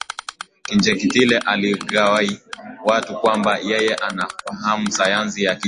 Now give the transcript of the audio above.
Kinjekitile alilaghai watu kwamba yeye anafahamu sayansi ya kijadi